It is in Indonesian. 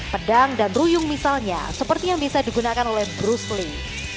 pedang dan ruyung misalnya seperti yang bisa digunakan oleh bruce lee